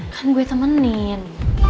kan gue temenin